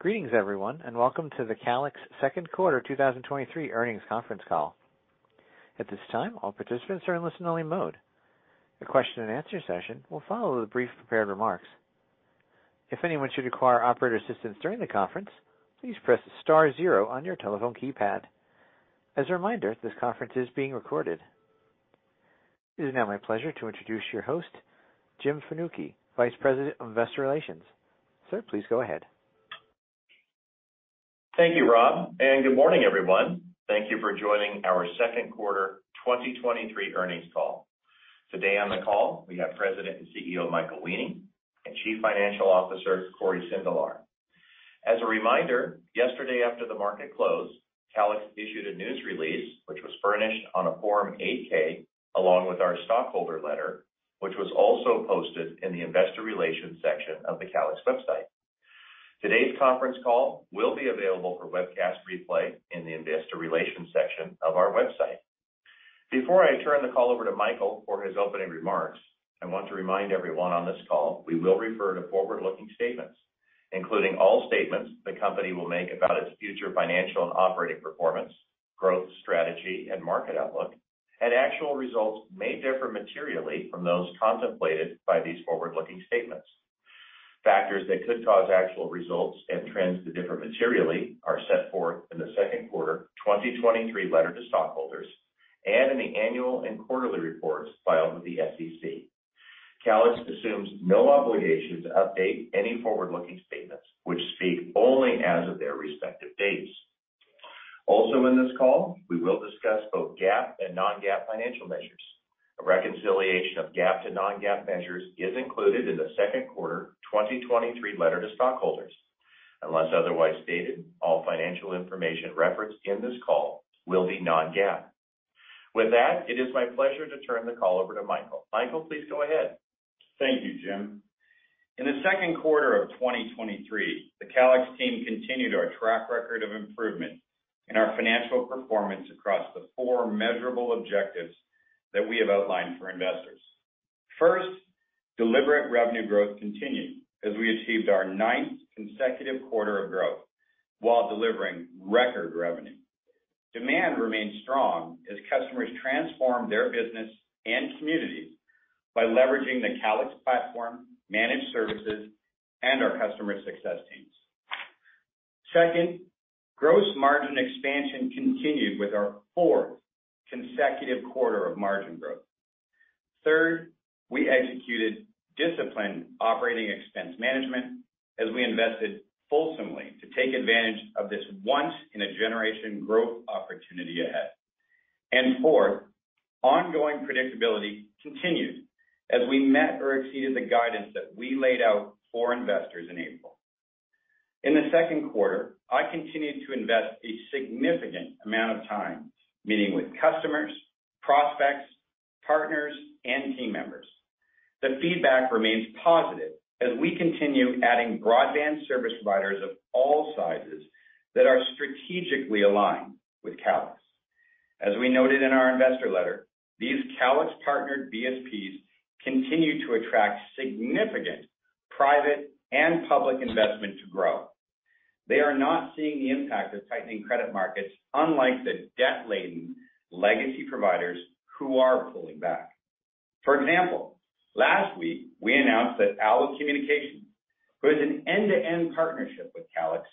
Greetings, everyone, welcome to the Calix second quarter 2023 earnings conference call. At this time, all participants are in listen-only mode. A question and answer session will follow the brief prepared remarks. If anyone should require operator assistance during the conference, please press star zero on your telephone keypad. As a reminder, this conference is being recorded. It is now my pleasure to introduce your host, Jim Fanucchi, Vice President of Investor Relations. Sir, please go ahead. Thank you, Rob. Good morning, everyone. Thank you for joining our second quarter 2023 earnings call. Today on the call, we have President and CEO, Michael Weening, and Chief Financial Officer, Cory Sindelar. As a reminder, yesterday after the market closed, Calix issued a news release, which was furnished on a Form 8-K, along with our stockholder letter, which was also posted in the investor relations section of the Calix website. Today's conference call will be available for webcast replay in the investor relations section of our website. Before I turn the call over to Michael for his opening remarks, I want to remind everyone on this call, we will refer to forward-looking statements, including all statements the company will make about its future financial and operating performance, growth, strategy, and market outlook. Actual results may differ materially from those contemplated by these forward-looking statements. Factors that could cause actual results and trends to differ materially are set forth in the second quarter 2023 letter to stockholders and in the annual and quarterly reports filed with the SEC. Calix assumes no obligation to update any forward-looking statements, which speak only as of their respective dates. In this call, we will discuss both GAAP and non-GAAP financial measures. A reconciliation of GAAP to non-GAAP measures is included in the second quarter 2023 letter to stockholders. Unless otherwise stated, all financial information referenced in this call will be non-GAAP. With that, it is my pleasure to turn the call over to Michael. Michael, please go ahead. Thank you, Jim. In the second quarter of 2023, the Calix team continued our track record of improvement in our financial performance across the four measurable objectives that we have outlined for investors. First, deliberate revenue growth continued as we achieved our ninth consecutive quarter of growth while delivering record revenue. Demand remains strong as customers transform their business and communities by leveraging the Calix platform, managed services, and our customer success teams. Second, gross margin expansion continued with our fourth consecutive quarter of margin growth. Third, we executed disciplined operating expense management as we invested fulsomely to take advantage of this once in a generation growth opportunity ahead. Fourth, ongoing predictability continued as we met or exceeded the guidance that we laid out for investors in April. In the second quarter, I continued to invest a significant amount of time meeting with customers, prospects, partners, and team members. The feedback remains positive as we continue adding broadband service providers of all sizes that are strategically aligned with Calix. As we noted in our investor letter, these Calix-partnered BSPs continue to attract significant private and public investment to grow. They are not seeing the impact of tightening credit markets, unlike the debt-laden legacy providers who are pulling back. For example, last week, we announced that ALLO Communications, who has an end-to-end partnership with Calix,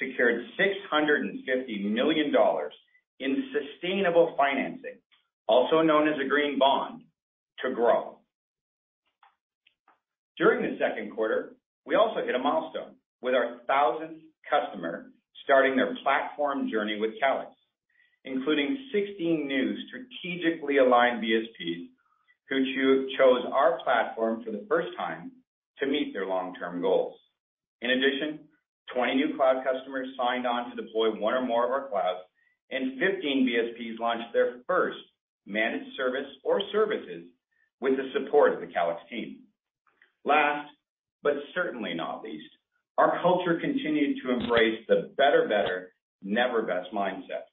secured $650 million in sustainable financing, also known as a green bond, to grow. During the second quarter, we also hit a milestone with our 1,000th customer starting their platform journey with Calix, including 16 new strategically aligned BSPs, who chose our platform for the first time to meet their long-term goals. 20 new cloud customers signed on to deploy one or more of our clouds, and 15 BSPs launched their first managed service or services with the support of the Calix team. Last, but certainly not least, our culture continued to embrace the better, never best mindset.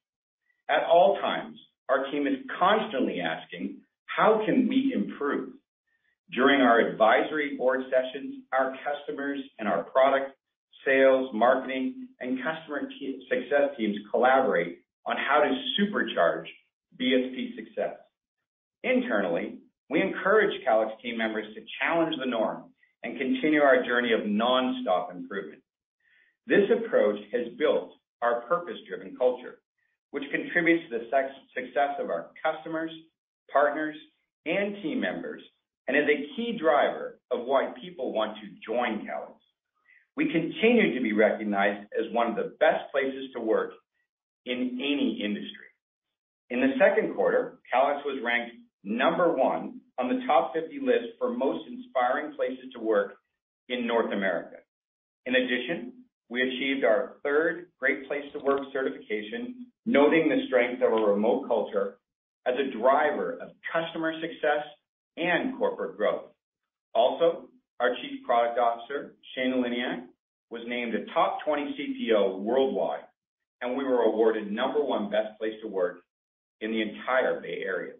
At all times, our team is constantly asking, "How can we improve?" During our advisory board sessions, our customers and our product, sales, marketing, and customer success teams collaborate on how to supercharge BSP success. Internally, we encourage Calix team members to challenge the norm and continue our journey of nonstop improvement. This approach has built our purpose-driven culture, which contributes to the success of our customers, partners, and team members, is a key driver of why people want to join Calix. We continue to be recognized as one of the best places to work in any industry. In the second quarter, Calix was ranked number one on the top 50 list for most inspiring places to work in North America. In addition, we achieved our third great place to work certification, noting the strength of a remote culture as a driver of customer success and corporate growth. Our Chief Product Officer, Shane Eleniak, was named a top 20 CPO worldwide, we were awarded number one best place to work in the entire Bay Area.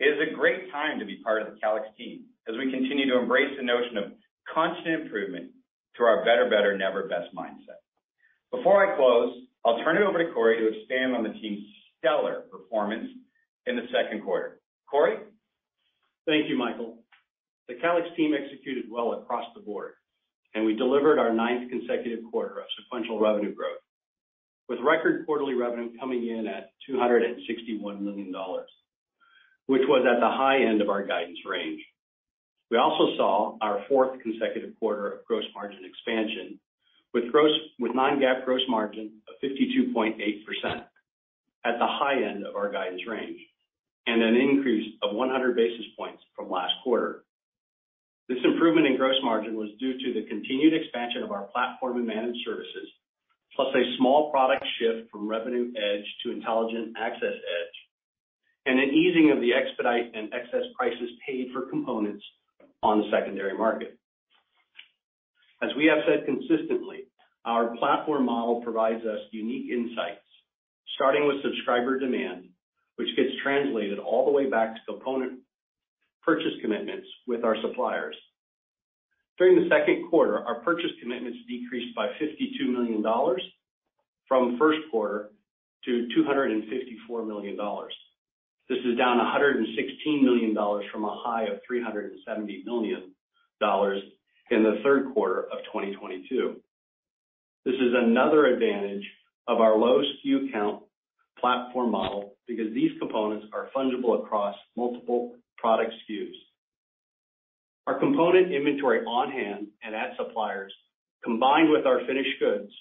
It is a great time to be part of the Calix team, as we continue to embrace the notion of constant improvement to our better, never best mindset. Before I close, I'll turn it over to Cory to expand on the team's stellar performance in the second quarter. Cory? Thank you, Michael. The Calix team executed well across the board. We delivered our ninth consecutive quarter of sequential revenue growth, with record quarterly revenue coming in at $261 million, which was at the high end of our guidance range. We also saw our fourth consecutive quarter of gross margin expansion, with non-GAAP gross margin of 52.8% at the high end of our guidance range, an increase of 100 basis points from last quarter. This improvement in gross margin was due to the continued expansion of our platform and managed services, plus a small product shift from Revenue EDGE to Intelligent Access EDGE, an easing of the expedite and excess prices paid for components on the secondary market. As we have said consistently, our platform model provides us unique insights, starting with subscriber demand, which gets translated all the way back to component purchase commitments with our suppliers. During the second quarter, our purchase commitments decreased by $52 million from first quarter to $254 million. This is down $116 million from a high of $370 million in the third quarter of 2022. This is another advantage of our low SKU count platform model, because these components are fundable across multiple product SKUs. Our component inventory on hand and at suppliers, combined with our finished goods,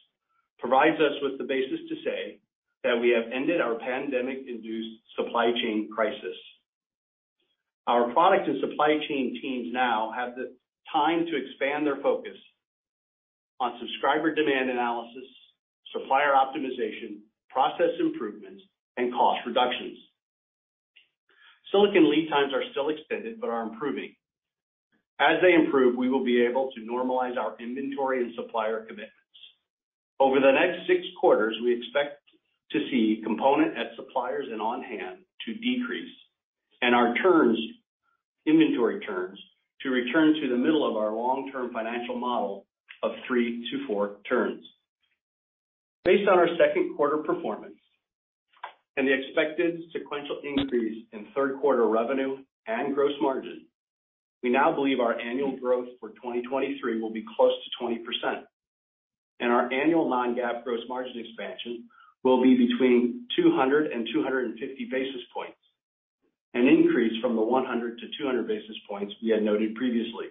provides us with the basis to say that we have ended our pandemic-induced supply chain crisis. Our product and supply chain teams now have the time to expand their focus on subscriber demand analysis, supplier optimization, process improvements, and cost reductions. Silicon lead times are still extended, but are improving. As they improve, we will be able to normalize our inventory and supplier commitments. Over the next six quarters, we expect to see component at suppliers and on-hand to decrease, and our inventory turns to return to the middle of our long-term financial model of three to four turns. Based on our second quarter performance and the expected sequential increase in third quarter revenue and gross margin, we now believe our annual growth for 2023 will be close to 20%, and our annual non-GAAP gross margin expansion will be between 200 and 250 basis points, an increase from the 100 to 200 basis points we had noted previously.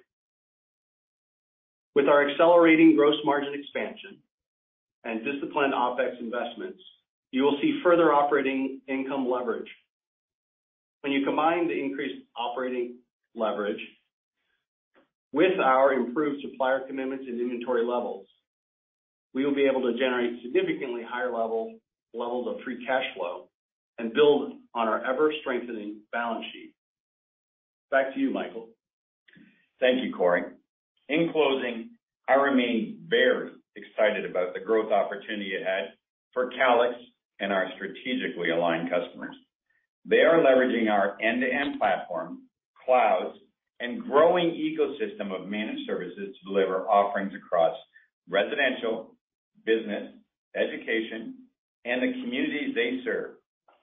With our accelerating gross margin expansion and disciplined OpEx investments, you will see further operating income leverage. When you combine the increased operating leverage with our improved supplier commitments and inventory levels, we will be able to generate significantly higher levels of free cash flow and build on our ever-strengthening balance sheet. Back to you, Michael. Thank you, Cory. In closing, I remain very excited about the growth opportunity ahead for Calix and our strategically aligned customers. They are leveraging our end-to-end platform, clouds, and growing ecosystem of managed services to deliver offerings across residential, business, education, and the communities they serve,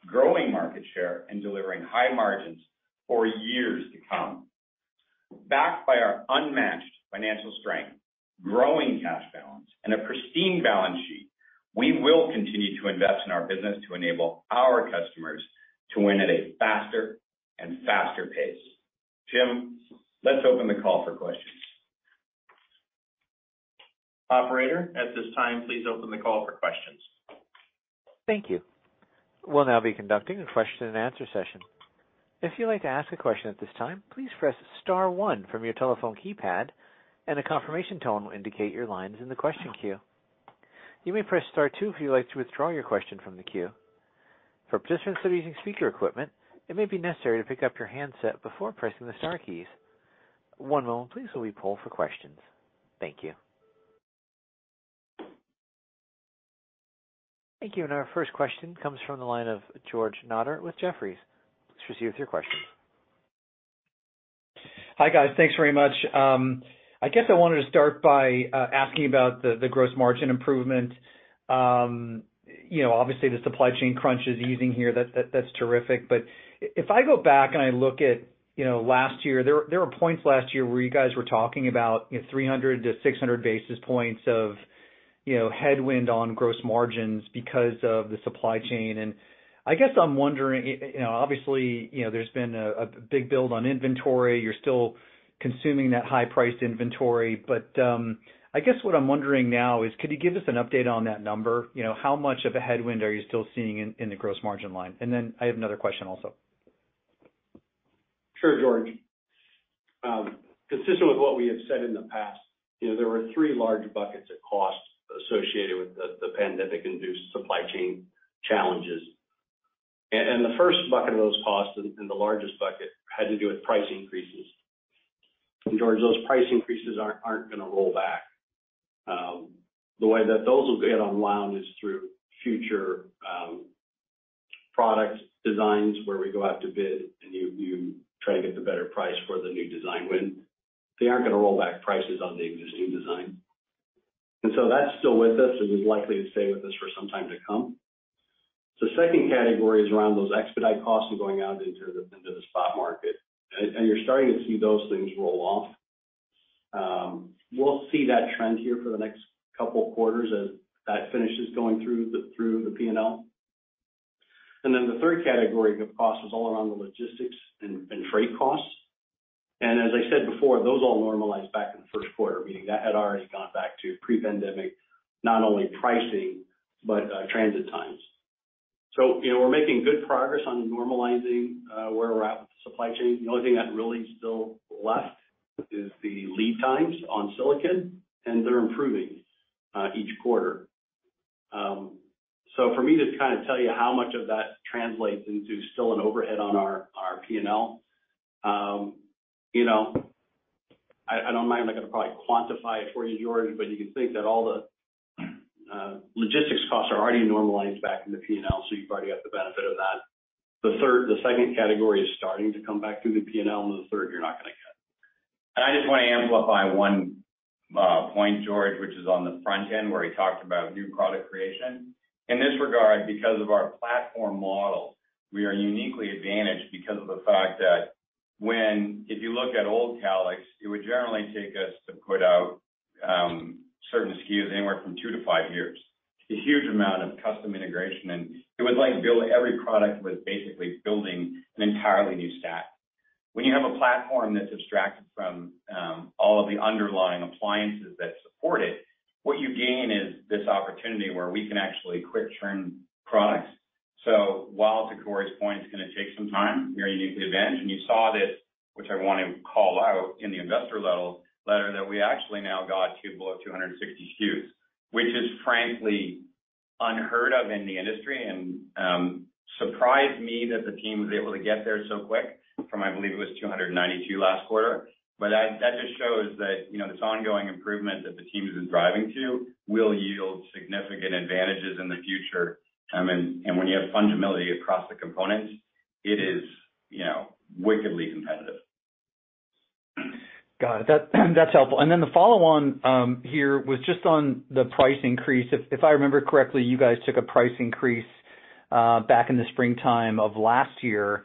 growing market share and delivering high margins for years to come. Backed by our unmatched financial strength, growing cash balance, and a pristine balance sheet, we will continue to invest in our business to enable our customers to win at a faster and faster pace. Jim, let's open the call for questions. Operator, at this time, please open the call for questions. Thank you. We'll now be conducting a question and answer session. If you'd like to ask a question at this time, please press star one from your telephone keypad, and a confirmation tone will indicate your line is in the question queue. You may press star two if you'd like to withdraw your question from the queue. For participants that are using speaker equipment, it may be necessary to pick up your handset before pressing the star keys. One moment please, while we poll for questions. Thank you. Thank you. Our first question comes from the line of George Notter with Jefferies. Please proceed with your question. Hi, guys. Thanks very much. I guess I wanted to start by asking about the gross margin improvement. You know, obviously, the supply chain crunch is easing here. That's terrific. If I go back and I look at, you know, last year, there were points last year where you guys were talking about, you know, 300-600 basis points of, you know, headwind on gross margins because of the supply chain. I guess I'm wondering, you know, obviously, you know, there's been a big build on inventory. You're still consuming that high-priced inventory. I guess what I'm wondering now is, could you give us an update on that number? You know, how much of a headwind are you still seeing in the gross margin line? Then I have another question also. Sure, George. Consistent with what we have said in the past, you know, there were three large buckets of costs associated with the pandemic-induced supply chain challenges. The first bucket of those costs, and the largest bucket, had to do with price increases. George, those price increases aren't gonna roll back. The way that those will get unwound is through future product designs, where we go out to bid, and you try to get the better price for the new design. They aren't gonna roll back prices on the existing design. That's still with us, and is likely to stay with us for some time to come. The second category is around those expedite costs and going out into the spot market, and you're starting to see those things roll off. We'll see that trend here for the next couple of quarters as that finishes going through the P&L. Then the third category of costs is all around the logistics and trade costs. As I said before, those all normalized back in the first quarter, meaning that had already gone back to pre-pandemic, not only pricing, but transit times. You know, we're making good progress on normalizing where we're at with the supply chain. The only thing that really still left is the lead times on silicon, and they're improving each quarter. For me to kind of tell you how much of that translates into still an overhead on our P&L, you know, I don't mind. I'm not gonna probably quantify it for you, George, but you can think that all the logistics costs are already normalized back in the P&L, so you've already got the benefit of that. The second category is starting to come back through the P&L, and the third, you're not gonna get. I just want to amplify one point, George, which is on the front end, where he talked about new product creation. In this regard, because of our platform model, we are uniquely advantaged because of the fact that when If you look at old Calix, it would generally take us to put out certain SKUs, anywhere from two to five years. It's a huge amount of custom integration, and it was like building every product was basically building an entirely new stack. When you have a platform that's abstracted from all of the underlying appliances that support it, what you gain is this opportunity where we can actually quick turn products. While, to Cory's point, it's gonna take some time, you're uniquely advantaged. You saw this, which I want to call out in the investor level letter, that we actually now got to below 260 SKUs, which is frankly unheard of in the industry, and surprised me that the team was able to get there so quick from, I believe it was 292 last quarter. That just shows that, you know, this ongoing improvement that the team is driving to will yield significant advantages in the future. I mean, when you have fungibility across the components, it is, you know, wickedly competitive. Got it. That's helpful. And then the follow-on here was just on the price increase. If I remember correctly, you guys took a price increase back in the springtime of last year.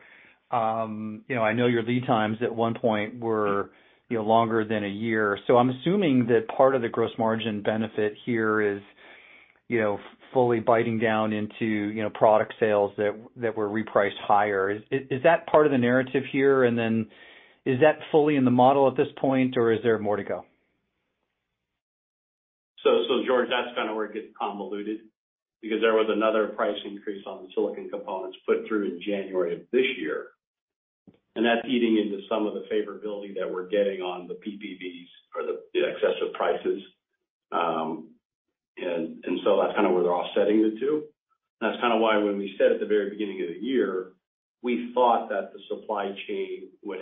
You know, I know your lead times at one point were, you know, longer than a year. So I'm assuming that part of the gross margin benefit here is, you know, fully biting down into, you know, product sales that were repriced higher. Is that part of the narrative here? And then is that fully in the model at this point, or is there more to go? George, that's kinda where it gets convoluted because there was another price increase on the silicon components put through in January of this year, and that's eating into some of the favorability that we're getting on the PPVs or the excess of prices. That's kind of where they're offsetting the two. That's kind of why, when we said at the very beginning of the year, we thought that the supply chain would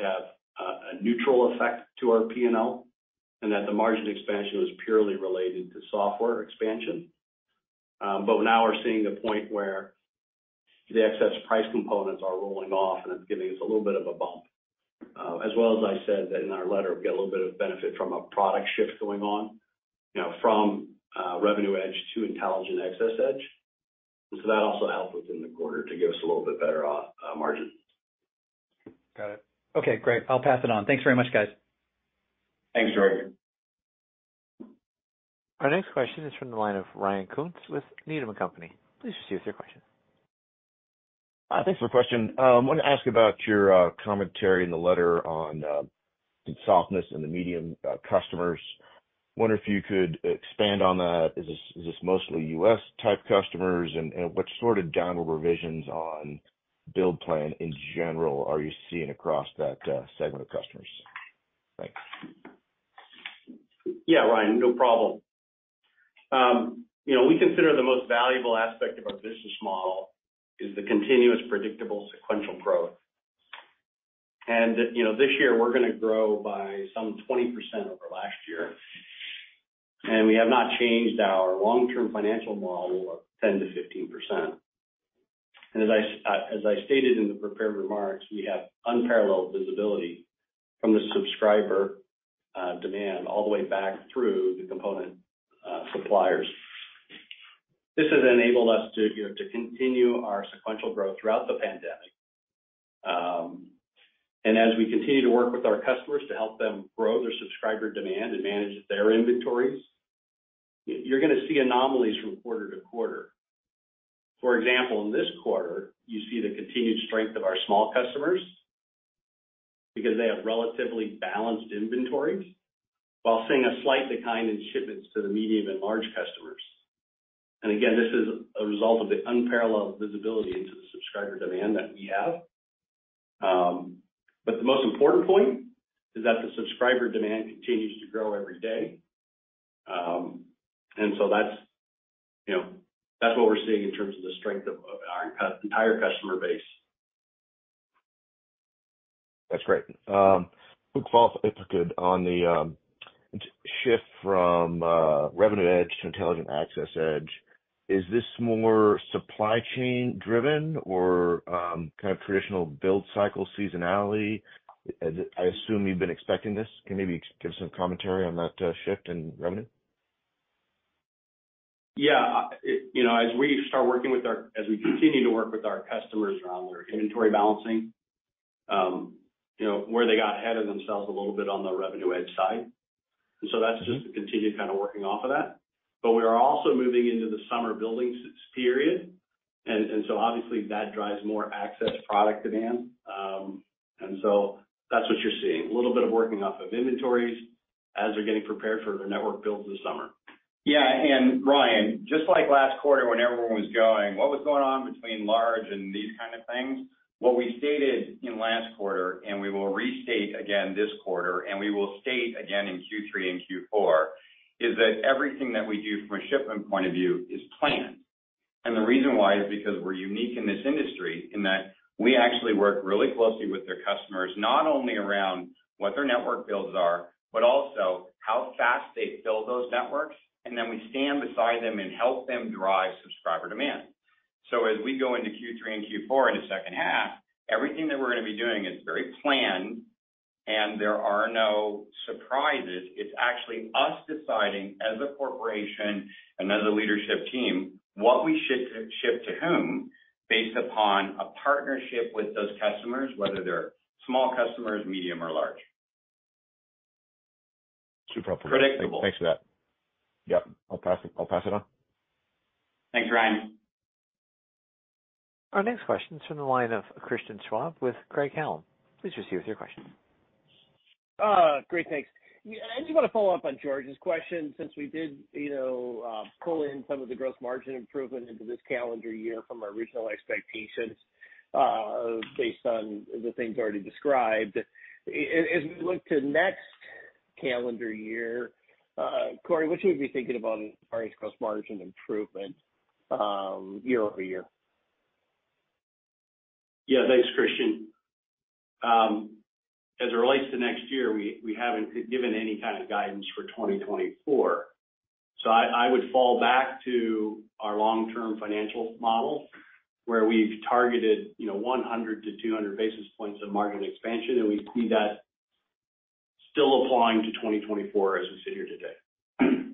have a neutral effect to our P&L, and that the margin expansion was purely related to software expansion. Now we're seeing a point where the excess price components are rolling off, and it's giving us a little bit of a bump. As well as I said that in our letter, we get a little bit of benefit from a product shift going on, you know, from Revenue EDGE to Intelligent Access Edge. That also helped within the quarter to give us a little bit better margin. Got it. Okay, great. I'll pass it on. Thanks very much, guys. Thanks, George. Our next question is from the line of Ryan Koontz with Needham & Company. Please proceed with your question. Thanks for the question. I wanted to ask about your commentary in the letter on the softness in the medium customers. I wonder if you could expand on that. Is this mostly U.S.-type customers? What sort of downward revisions on build plan in general are you seeing across that segment of customers? Thanks. Yeah, Ryan, no problem. you know, we consider the most valuable aspect of our business model is the continuous, predictable, sequential growth. you know, this year we're gonna grow by some 20% over last year, and we have not changed our long-term financial model of 10%-15%. As I stated in the prepared remarks, we have unparalleled visibility from the subscriber demand, all the way back through the component suppliers. This has enabled us to, you know, to continue our sequential growth throughout the pandemic. As we continue to work with our customers to help them grow their subscriber demand and manage their inventories, you're gonna see anomalies from quarter-to-quarter. For example, in this quarter, you see the continued strength of our small customers because they have relatively balanced inventories, while seeing a slight decline in shipments to the medium and large customers. Again, this is a result of the unparalleled visibility into the subscriber demand that we have. The most important point is that the subscriber demand continues to grow every day. That's, you know, that's what we're seeing in terms of the strength of our entire customer base. That's great. Quick follow-up, if I could, on the shift from Revenue EDGE to Intelligent Access EDGE. Is this more supply chain driven or kind of traditional build cycle seasonality? I assume you've been expecting this. Can you maybe give some commentary on that shift in revenue? Yeah, you know, as we continue to work with our customers around their inventory balancing, you know, where they got ahead of themselves a little bit on the Revenue EDGE side. That's just to continue kind of working off of that. We are also moving into the summer building period, and so obviously, that drives more access product demand. That's what you're seeing, a little bit of working off of inventories as they're getting prepared for their network builds this summer. Ryan, just like last quarter, when everyone was going, "What was going on between large and these kind of things?" What we stated in last quarter, and we will restate again this quarter, and we will state again in Q3 and Q4, is that everything that we do from a shipment point of view is planned. The reason why is because we're unique in this industry, in that we actually work really closely with their customers, not only around what their network builds are, but also how fast they build those networks, and then we stand beside them and help them drive subscriber demand. As we go into Q3 and Q4 in the second half, everything that we're going to be doing is very planned, and there are no surprises. It's actually us deciding, as a corporation and as a leadership team, what we ship to, ship to whom, based upon a partnership with those customers, whether they're small customers, medium, or large. Super helpful. Predictable. Thanks for that. Yep, I'll pass it on. Thanks, Ryan. Our next question is from the line of Christian Schwab with Craig-Hallum. Please proceed with your question. Great, thanks. I just want to follow up on George's question, since we did, you know, pull in some of the gross margin improvement into this calendar year from our original expectations, based on the things already described. As we look to next calendar year, Cory, what should we be thinking about our gross margin improvement, year-over-year? Yeah, thanks, Christian. As it relates to next year, we haven't given any kind of guidance for 2024. I would fall back to our long-term financial model, where we've targeted, you know, 100 basis points-200 basis points of margin expansion, and we see that still applying to 2024 as we sit here today.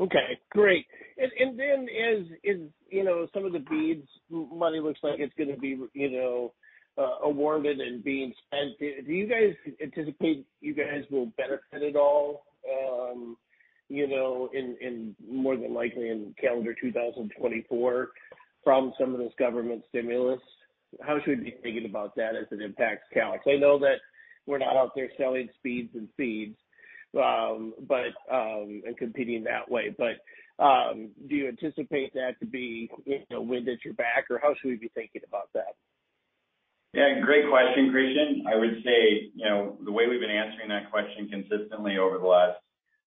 Okay, great. As, you know, some of the BEAD money looks like it's going to be, you know, awarded and being spent, do you guys anticipate you guys will benefit at all, you know, in more than likely in calendar 2024 from some of this government stimulus? How should we be thinking about that as it impacts Calix? I know that we're not out there selling speeds and feeds, but, and competing that way. Do you anticipate that to be, you know, wind at your back, or how should we be thinking about that? Yeah, great question, Christian. I would say, you know, the way we've been answering that question consistently over the last,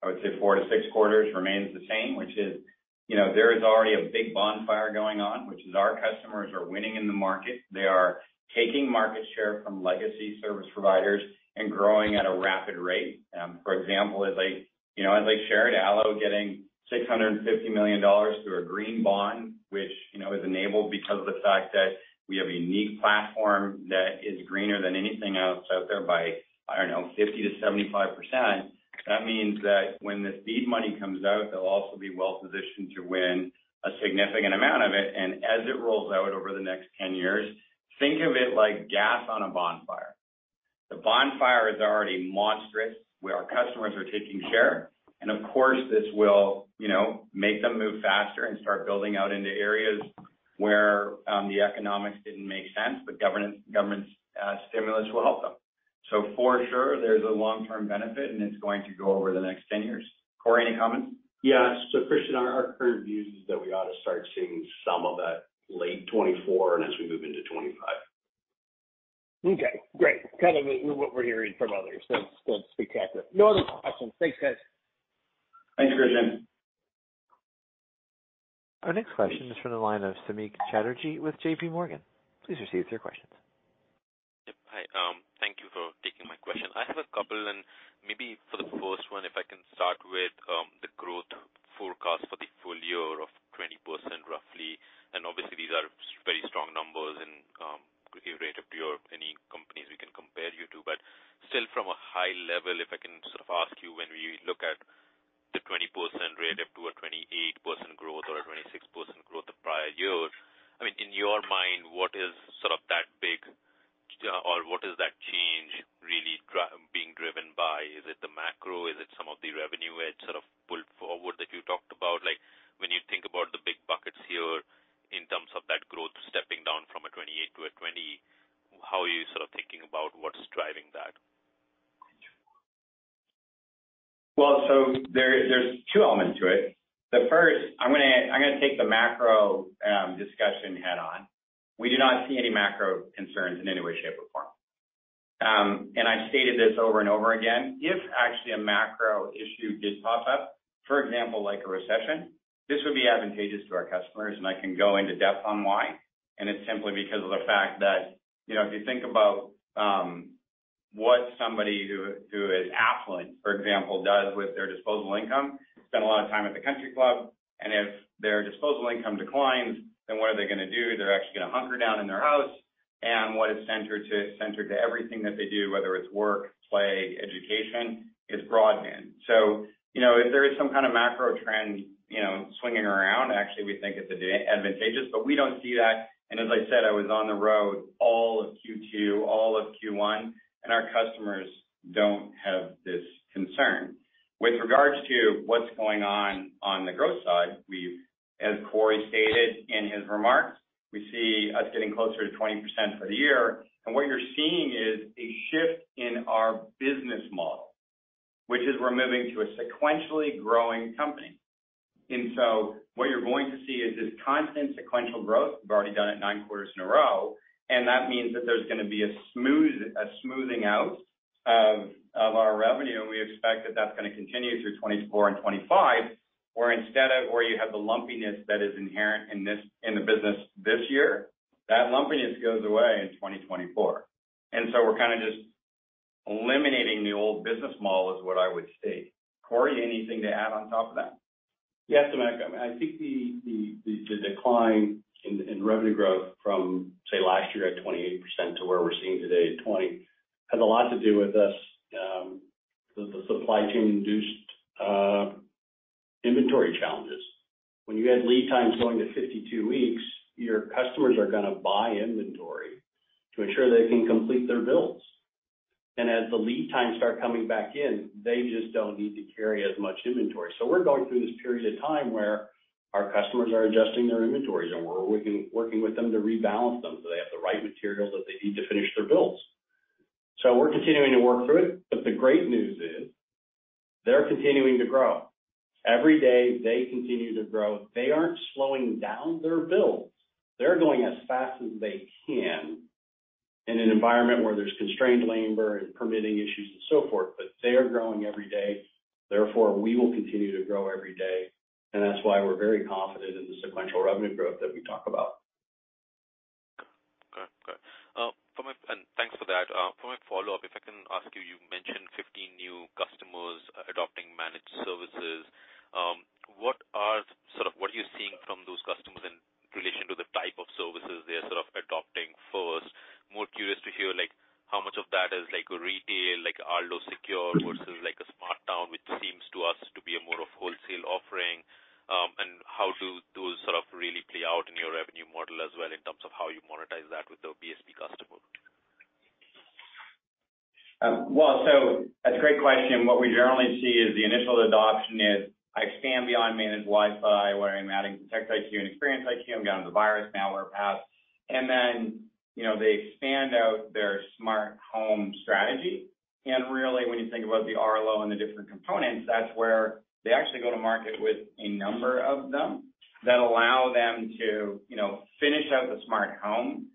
I would say, four to six quarters, remains the same, which is, you know, there is already a big bonfire going on, which is our customers are winning in the market. They are taking market share from legacy service providers and growing at a rapid rate. For example, as I, you know, as I shared, ALLO getting $650 million through a green bond, which, you know, is enabled because of the fact that we have a unique platform that is greener than anything else out there by, I don't know, 50%-75%. That means that when the speed money comes out, they'll also be well-positioned to win a significant amount of it. As it rolls out over the next 10 years, think of it like gas on a bonfire. The bonfire is already monstrous, where our customers are taking share, and of course, this will, you know, make them move faster and start building out into areas where the economics didn't make sense, but government stimulus will help them. For sure, there's a long-term benefit, and it's going to go over the next 10 years. Cory, any comments? Yeah. Christian, our current view is that we ought to start seeing some of that late 2024 and as we move into 2025. Okay, great. Kind of what we're hearing from others. Spectacular. No other questions. Thanks, guys. Thanks, Christian. Our next question is from the line of Samik Chatterjee with JPMorgan. Please proceed with your questions. Yep. Hi, thank you for taking my question. I have a couple, and maybe for the first one, if I can start with the growth forecast for the full year of 20%, roughly, and obviously, these are very strong numbers and rate up to your any companies we can compare you to. Still, from a high level, if I can sort of ask you, when we look at the 20% rate up to a 28% growth or a 26% growth the prior year, I mean, in your mind, what is and what is centered to everything that they do, whether it's work, play, education, is broadband. You know, if there is some kind of macro trend, you know, swinging around, actually, we think it's advantageous, but we don't see that. As I said, I was on the road all of Q2, all of Q1, and our customers don't have this concern. With regards to what's going on the growth side, as Cory stated in his remarks, we see us getting closer to 20% for the year. What you're seeing is a shift in our business model, which is we're moving to a sequentially growing company. What you're going to see is this constant sequential growth. We've already done it nine quarters in a row, and that means that there's gonna be a smoothing out of our revenue, and we expect that that's gonna continue through 2024 and 2025. Where instead of where you have the lumpiness that is inherent in this, in the business this year, that lumpiness goes away in 2024. We're kinda just eliminating the old business model, is what I would state. Cory, anything to add on top of that? Michael, I think the decline in revenue growth from, say, last year at 28% to where we're seeing today at 20%, has a lot to do with us, the supply chain-induced inventory challenges. When you had lead times going to 52 weeks, your customers are gonna buy inventory to ensure they can complete their builds. As the lead times start coming back in, they just don't need to carry as much inventory. We're going through this period of time where our customers are adjusting their inventories, and we're working with them to rebalance them so they have the right materials that they need to finish their builds. We're continuing to work through it, but the great news is, they're continuing to grow. Every day, they continue to grow. They aren't slowing down their builds. They're going as fast as they can in an environment where there's constrained labor and permitting issues and so forth, but they are growing every day. We will continue to grow every day, and that's why we're very confident in the sequential revenue growth that we talk about. Okay. And thanks for that. For my follow-up, if I can ask you mentioned 15 new customers adopting managed services. Sort of what are you seeing from those customers in relation to the type of services they are sort of adopting first? More curious to hear, like, how much of that is like a retail, like Arlo Secure, versus like a SmartTown, which seems to us to be a more of wholesale offering? How do those sort of really play out in your revenue model as well, in terms of how you monetize that with the BSP customer? Well, that's a great question. What we generally see is the initial adoption is, I expand beyond managed Wi-Fi, where I'm adding ProtectIQ and ExperienceIQ, I'm getting the virus, malware app. Then, you know, they expand out their smart home strategy. Really, when you think about the Arlo and the different components, that's where they actually go to market with a number of them, that allow them to, you know, finish out the smart home.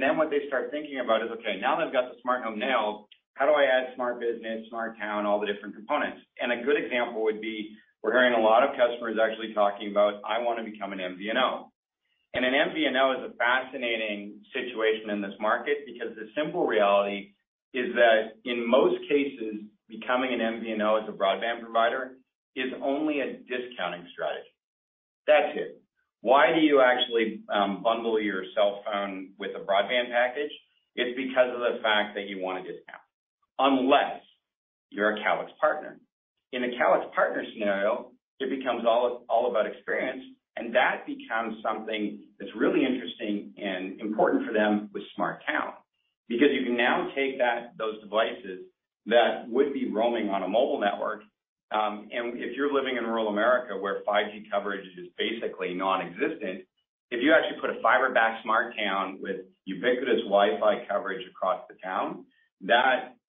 Then what they start thinking about is, okay, now that I've got the smart home nailed, how do I add SmartBiz, SmartTown, all the different components? A good example would be, we're hearing a lot of customers actually talking about, "I want to become an MVNO." An MVNO is a fascinating situation in this market because the simple reality is that in most cases, becoming an MVNO as a broadband provider, is only a discounting strategy. That's it. Why do you actually bundle your cell phone with a broadband package? It's because of the fact that you want a discount, unless you're a Calix partner. In a Calix partner scenario, it becomes all about experience, and that becomes something that's really interesting and important for them with SmartTown. You can now take those devices that would be roaming on a mobile network, and if you're living in rural America, where 5G coverage is basically nonexistent, if you actually put a fiber-backed SmartTown with ubiquitous Wi-Fi coverage across the town,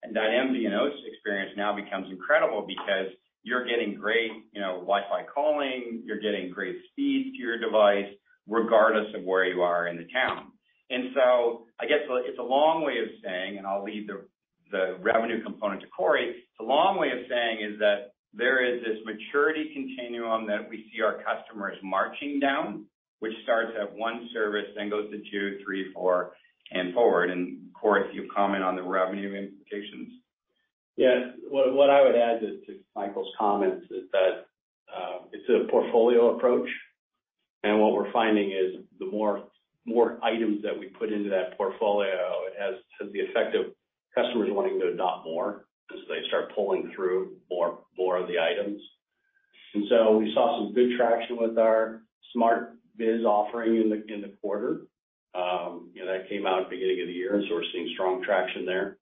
that MVNOs experience now becomes incredible because you're getting great, you know, Wi-Fi calling, you're getting great speeds to your device, regardless of where you are in the town. I guess it's a long way of saying, and I'll leave the revenue component to Cory, it's a long way of saying is that there is this maturity continuum that we see our customers marching down, which starts at one service, then goes to two, three, four, and forward. Cory, if you comment on the revenue implications. What I would add is to Michael's comments, is that it's a portfolio approach, and what we're finding is the more items that we put into that portfolio, it has the effect of customers wanting to adopt more as they start pulling through more of the items. We saw some good traction with our SmartBiz offering in the, in the quarter. You know, that came out at the beginning of the year, we're seeing strong traction there.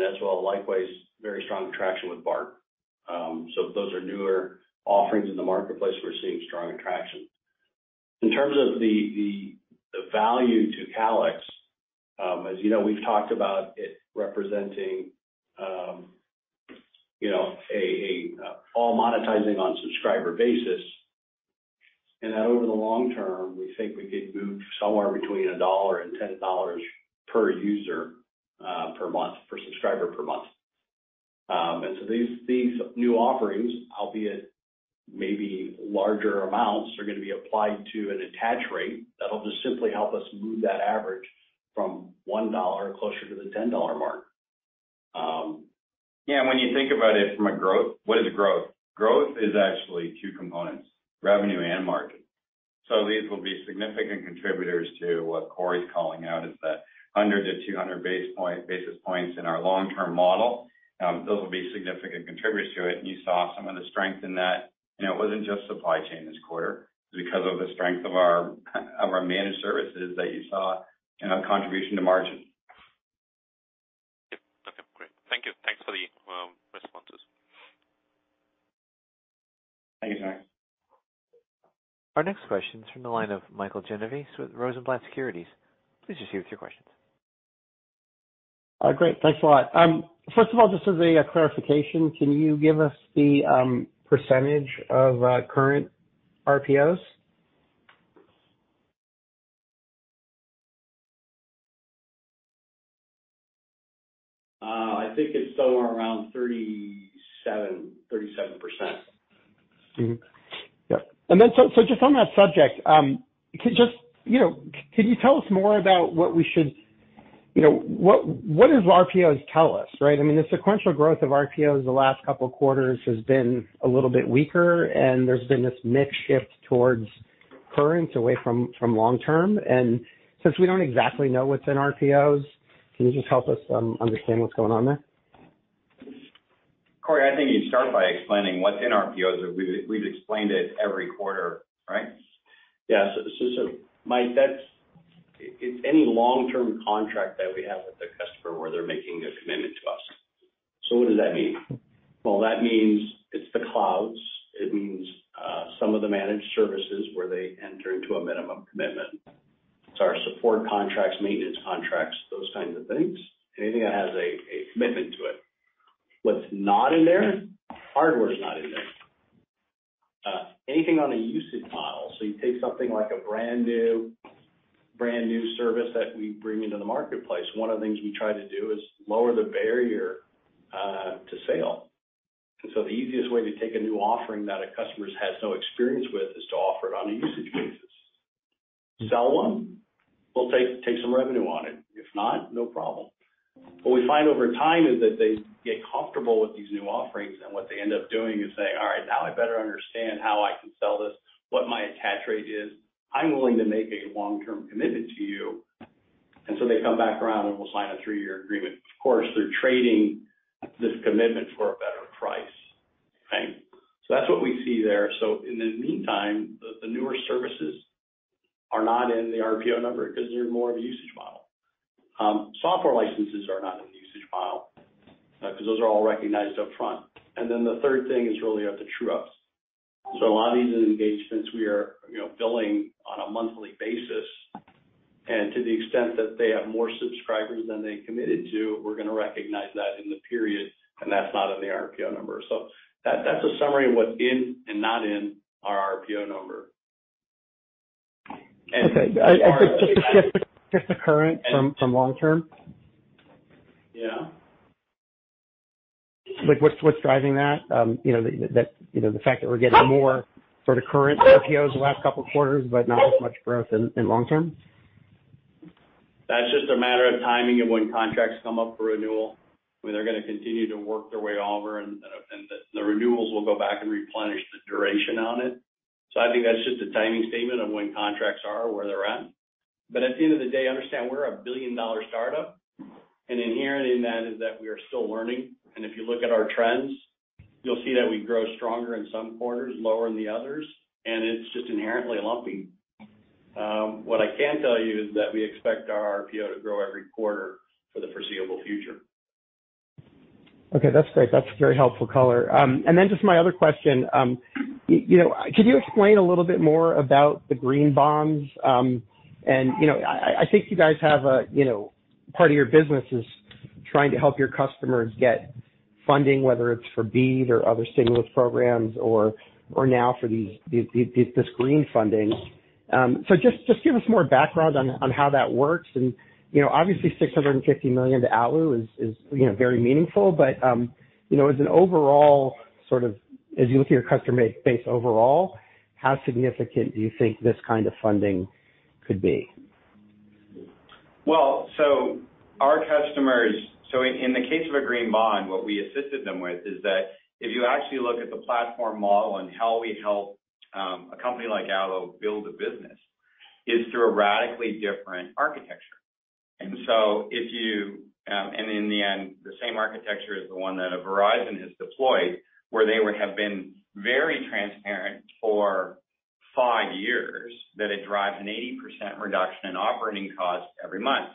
As well, likewise, very strong traction with Bark. Those are newer offerings in the marketplace, we're seeing strong traction. In terms of the value to Calix, as you know, we've talked about it representing, you know, all monetizing on subscriber basis.... Over the long term, we think we could move somewhere between $1 and $10 per user, per month, per subscriber per month. These, these new offerings, albeit maybe larger amounts, are going to be applied to an attach rate that'll just simply help us move that average from $1 closer to the $10 mark. Yeah, when you think about it from a growth, what is growth? Growth is actually two components, revenue and margin. These will be significant contributors to what Cory's calling out, is that 100 to 200 basis points in our long-term model. Those will be significant contributors to it, and you saw some of the strength in that. You know, it wasn't just supply chain this quarter because of the strength of our managed services that you saw, you know, contribution to margin. Yep. Okay, great. Thank you. Thanks for the responses. Thank you, Rob. Our next question is from the line of Mike Genovese with Rosenblatt Securities. Please proceed with your questions. Great. Thanks a lot. First of all, just as a clarification, can you give us the % of current RPOs? I think it's somewhere around 37%. Mm-hmm. Yep, just on that subject, can just, you know, can you tell us more about what we should... You know, what does RPOs tell us, right? I mean, the sequential growth of RPOs the last two quarters has been a little bit weaker, and there's been this mix shift towards current, away from long term. Since we don't exactly know what's in RPOs, can you just help us understand what's going on there? Corey, I think you start by explaining what's in RPOs. We've explained it every quarter, right? Yeah. Mike, it's any long-term contract that we have with the customer where they're making a commitment to us. What does that mean? That means it's the clouds. It means some of the managed services where they enter into a minimum commitment. It's our support contracts, maintenance contracts, those kinds of things. Anything that has a commitment to it. What's not in there? Hardware is not in there. Anything on a usage model. You take something like a brand new service that we bring into the marketplace. One of the things we try to do is lower the barrier to sale. The easiest way to take a new offering that a customer has no experience with, is to offer it on a usage basis. Sell one, we'll take some revenue on it. If not, no problem. What we find over time is that they get comfortable with these new offerings, and what they end up doing is saying, "All right, now I better understand how I can sell this, what my attach rate is. I'm willing to make a long-term commitment to you." They come back around, and we'll sign a three-year agreement. Of course, they're trading this commitment for a better price. Okay? That's what we see there. In the meantime, the newer services are not in the RPO number because they're more of a usage model. Software licenses are not in the usage model because those are all recognized upfront. The third thing is really of the true ups. A lot of these engagements, we are, you know, billing on a monthly basis. To the extent that they have more subscribers than they committed to, we're gonna recognize that in the period, and that's not in the RPO number. That's a summary of what's in and not in our RPO number. Okay. Just the current from long term? Yeah. Like, what's driving that? You know, that, you know, the fact that we're getting more sort of current RPOs the last couple of quarters, but not as much growth in long term. That's just a matter of timing of when contracts come up for renewal, where they're gonna continue to work their way over, and the renewals will go back and replenish the duration on it. I think that's just a timing statement of when contracts are where they're at. At the end of the day, understand we're a billion-dollar startup, and inherent in that is that we are still learning. If you look at our trends, you'll see that we grow stronger in some quarters, lower in the others, and it's just inherently lumpy. What I can tell you is that we expect our RPO to grow every quarter for the foreseeable future. Okay, that's great. That's a very helpful color. Then just my other question, you know, could you explain a little bit more about the green bonds? You know, I think you guys have a, you know, part of your business is trying to help your customers get funding, whether it's for BEAD or other stimulus programs or now for these green funding. Just give us more background on how that works. You know, obviously, $650 million to ALLO is, you know, very meaningful. You know, as an overall, sort of, as you look at your customer base overall, how significant do you think this kind of funding could be? In the case of a green bond, what we assisted them with is that if you actually look at the platform model and how we help a company like ALLO build a business, is through a radically different architecture. If you, and in the end, the same architecture is the one that a Verizon has deployed, where they would have been very transparent for five years, that it drives an 80% reduction in operating costs every month.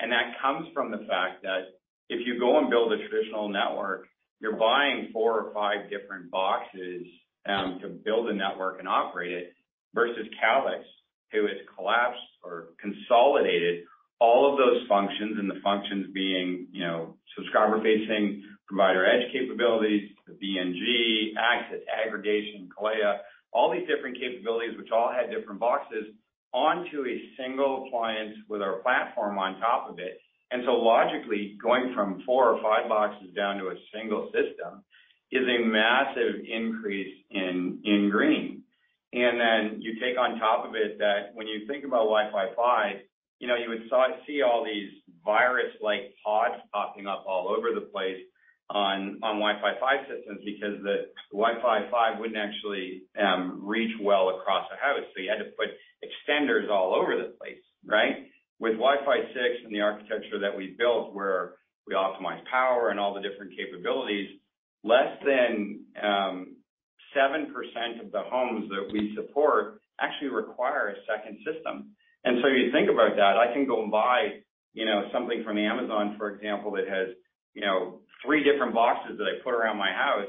That comes from the fact that if you go and build a traditional network, you're buying four or five different boxes to build a network and operate it, versus Calix.... who has collapsed or consolidated all of those functions, and the functions being, you know, subscriber-facing, provider edge capabilities, the BNG, access, aggregation, CALEA, all these different capabilities, which all had different boxes, onto a single appliance with our platform on top of it. Logically, going from four or five boxes down to a single system is a massive increase in green. Then you take on top of it that when you think about Wi-Fi 5, you know, you would see all these virus-like pods popping up all over the place on Wi-Fi 5 systems because the Wi-Fi 5 wouldn't actually reach well across a house, so you had to put extenders all over the place, right? With Wi-Fi 6 and the architecture that we built, where we optimize power and all the different capabilities, less than 7% of the homes that we support actually require a second system. You think about that, I can go and buy, you know, something from Amazon, for example, that has, you know, three different boxes that I put around my house.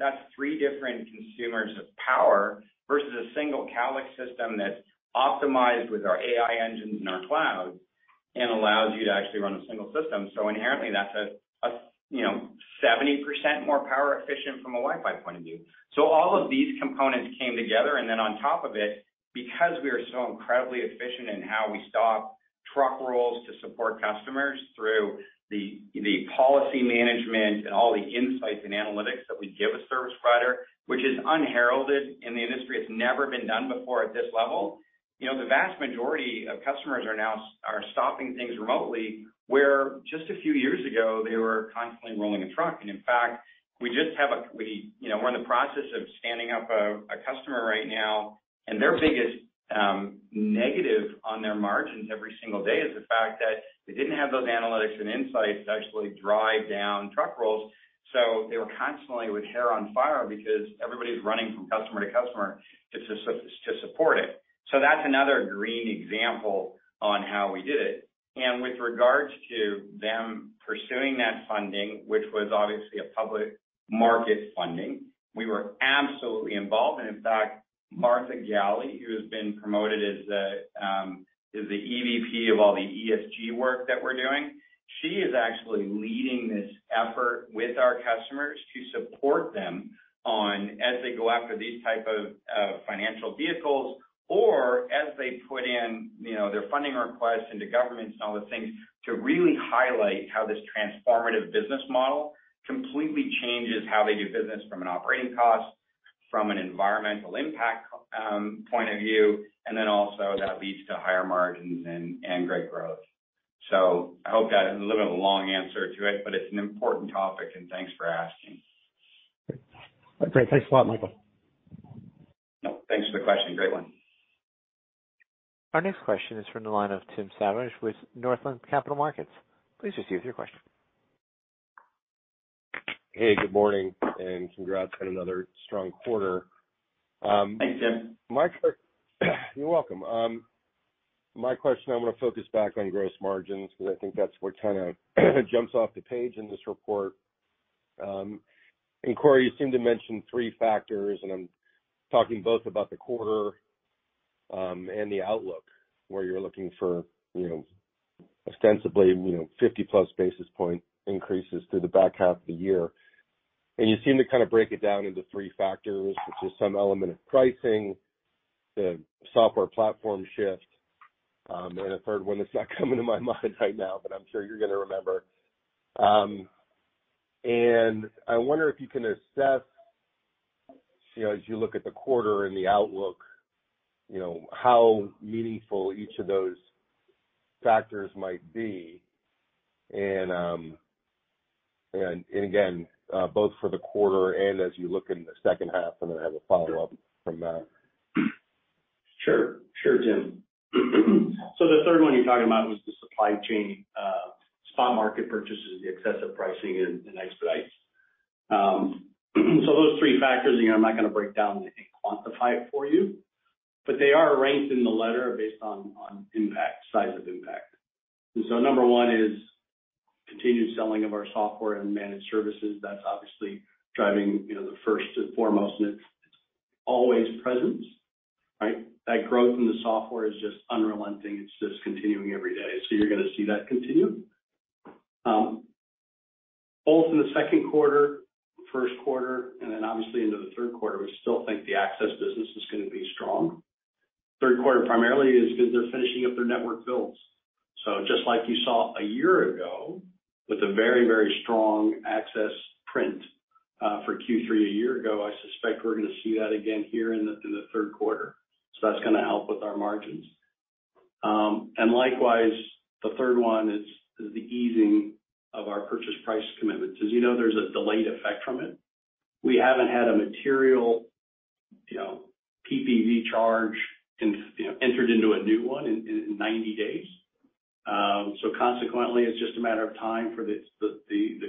That's three different consumers of power versus a single Calix system that's optimized with our AI engines and our cloud, and allows you to actually run a single system. Inherently, that's a, you know, 70% more power efficient from a Wi-Fi point of view. All of these components came together, and then on top of it, because we are so incredibly efficient in how we stop truck rolls to support customers through the policy management and all the insights and analytics that we give a service provider, which is unheralded in the industry, it's never been done before at this level. You know, the vast majority of customers are now stopping things remotely, where just a few years ago, they were constantly rolling a truck. In fact, we are in the process of standing up a customer right now, and their biggest negative on their margins every single day is the fact that they didn't have those analytics and insights to actually drive down truck rolls. They were constantly with hair on fire because everybody's running from customer to customer to support it. That's another green example on how we did it. With regards to them pursuing that funding, which was obviously a public market funding, we were absolutely involved. In fact, Martha Galley, who has been promoted as the EVP of all the ESG work that we're doing, she is actually leading this effort with our customers to support them on as they go after these type of financial vehicles, or as they put in, you know, their funding requests into governments and all those things, to really highlight how this transformative business model completely changes how they do business from an operating cost, from an environmental impact point of view, and then also that leads to higher margins and great growth. I hope that a little bit of a long answer to it, but it's an important topic, and thanks for asking. Great. Thanks a lot, Michael. No, thanks for the question. Great one. Our next question is from the line of Timothy Savageaux with Northland Capital Markets. Please proceed with your question. Hey, good morning, congrats on another strong quarter. Thanks, Tim. You're welcome. My question, I'm going to focus back on gross margins, because I think that's what kind of jumps off the page in this report. Cory, you seem to mention three factors, and I'm talking both about the quarter and the outlook, where you're looking for, you know, ostensibly, you know, 50-plus basis point increases through the back half of the year. You seem to kind of break it down into three factors, which is some element of pricing, the software platform shift, and a third one that's not coming to my mind right now, but I'm sure you're going to remember. I wonder if you can assess, you know, as you look at the quarter and the outlook, you know, how meaningful each of those factors might be. Again, both for the quarter and as you look in the second half, and then I have a follow-up from that. Sure. Sure, Tim. The third one you're talking about was the supply chain, spot market purchases, the excessive pricing and expedites. Those three factors, again, I'm not going to break down and quantify it for you, but they are ranked in the letter based on impact, size of impact. Number one is continued selling of our software and managed services. That's obviously driving, you know, the first and foremost, and it's always present, right? That growth in the software is just unrelenting. It's just continuing every day. You're going to see that continue. Both in the second quarter, first quarter, and then obviously into the third quarter, we still think the access business is going to be strong. Third quarter, primarily, is because they're finishing up their network builds. Just like you saw a year ago, with a very, very strong access print for Q3 a year ago, I suspect we're going to see that again here in the third quarter. That's going to help with our margins. Likewise, the third one is the easing of our purchase price commitments. As you know, there's a delayed effect from it. We haven't had a material, you know, PPV charge, you know, entered into a new one in 90 days. Consequently, it's just a matter of time for the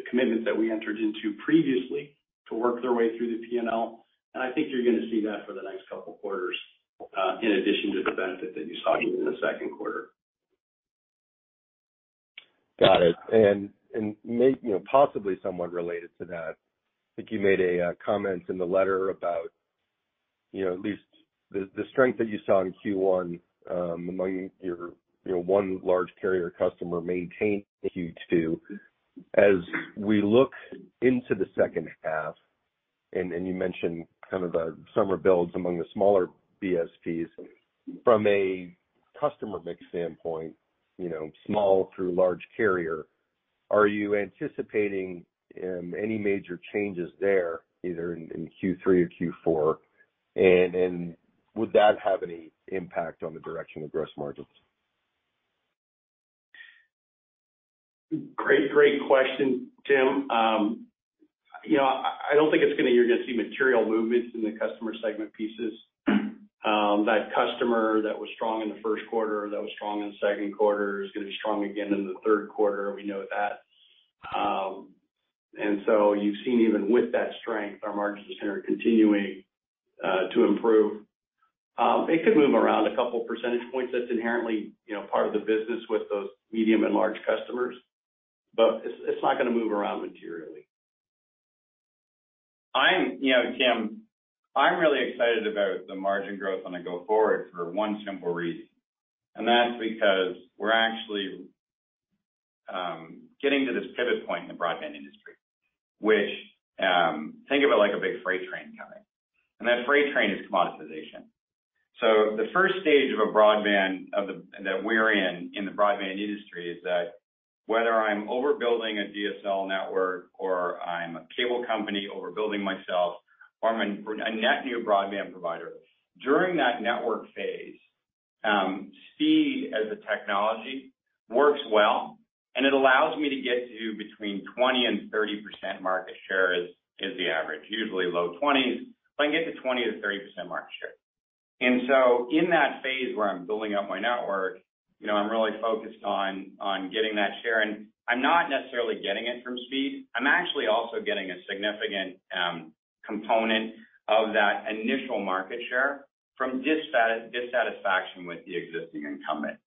commitments that we entered into previously to work their way through the P&L. I think you're going to see that for the next couple of quarters, in addition to the benefit that you saw in the second quarter. Got it. May, you know, possibly somewhat related to that, I think you made a comment in the letter about, you know, at least the strength that you saw in Q1, among your, you know, one large carrier customer maintained in Q2. As we look into the second half, and you mentioned kind of the summer builds among the smaller BSPs. From a customer mix standpoint, you know, small through large carrier, are you anticipating any major changes there, either in Q3 or Q4? Would that have any impact on the direction of gross margins? Great, great question, Tim. You know, I don't think you're gonna see material movements in the customer segment pieces. That customer that was strong in the first quarter, that was strong in the second quarter, is gonna be strong again in the third quarter, we know that. You've seen even with that strength, our margins are continuing to improve. It could move around a couple percentage points. That's inherently, you know, part of the business with those medium and large customers, but it's not gonna move around materially. I'm, you know, Tim, I'm really excited about the margin growth on the go forward for 1 simple reason, and that's because we're actually getting to this pivot point in the broadband industry, which think of it like a big freight train coming, and that freight train is commoditization. The first stage of a broadband of the that we're in the broadband industry, is that whether I'm overbuilding a DSL network or I'm a cable company overbuilding myself, or I'm a net new broadband provider. During that network phase, speed as a technology works well, and it allows me to get to between 20% and 30% market share is the average, usually low 20s, but I can get to 20%-30% market share. In that phase where I'm building up my network, you know, I'm really focused on getting that share, and I'm not necessarily getting it from speed. I'm actually also getting a significant component of that initial market share from dissatisfaction with the existing incumbent.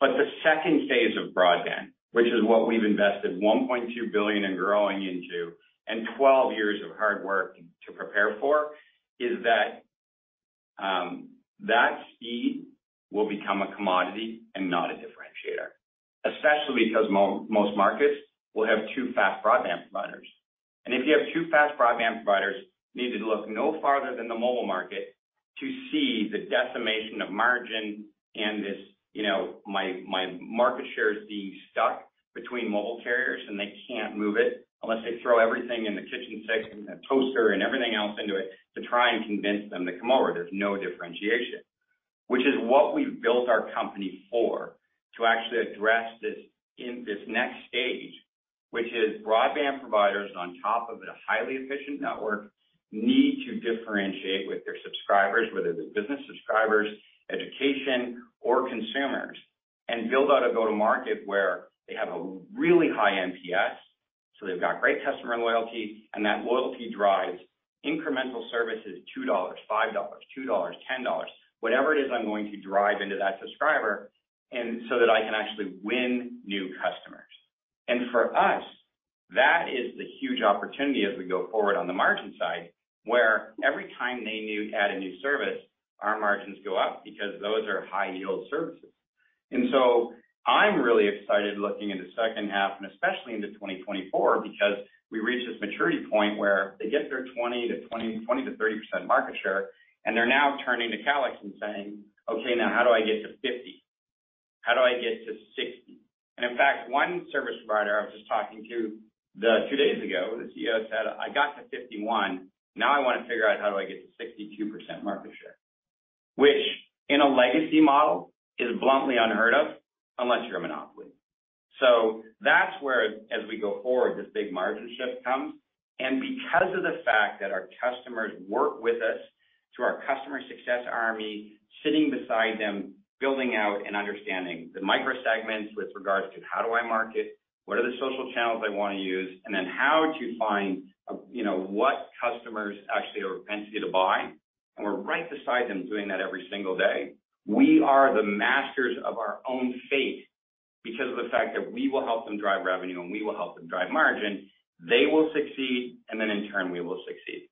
The second phase of broadband, which is what we've invested $1.2 billion and growing into, and 12 years of hard work to prepare for, is that speed will become a commodity and not a differentiator, especially because most markets will have two fast broadband providers. If you have two fast broadband providers, you need to look no farther than the mobile market to see the decimation of margin. This, you know, my market share is being stuck between mobile carriers, and they can't move it unless they throw everything in the kitchen sink and a toaster and everything else into it to try and convince them to come over. There's no differentiation. Which is what we've built our company for, to actually address this in this next stage, which is broadband providers on top of a highly efficient network, need to differentiate with their subscribers, whether they're business subscribers, education, or consumers, and build out a go-to-market where they have a really high NPS. They've got great customer loyalty, and that loyalty drives incremental services, $2, $5, $2, $10, whatever it is I'm going to drive into that subscriber and so that I can actually win new customers. For us, that is the huge opportunity as we go forward on the margin side, where every time they add a new service, our margins go up because those are high-yield services. I'm really excited looking into second half and especially into 2024, because we reach this maturity point where they get their 20%-30% market share, and they're now turning to Calix and saying, "Okay, now how do I get to 50? How do I get to 60?" In fact, one service provider I was just talking to 2 days ago, the CEO said, "I got to 51. Now I want to figure out how do I get to 62% market share." Which in a legacy model is bluntly unheard of, unless you're a monopoly. That's where as we go forward, this big margin shift comes. Because of the fact that our customers work with us, through our customer success army, sitting beside them, building out and understanding the microsegments with regards to how do I market, what are the social channels I want to use, and then how to find, you know, what customers actually are propensity to buy. We're right beside them doing that every single day. We are the masters of our own fate because of the fact that we will help them drive revenue, and we will help them drive margin. They will succeed, and then in turn, we will succeed.